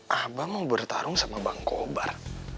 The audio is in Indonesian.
abang mau bertarung sama bang kobar